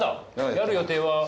やる予定は？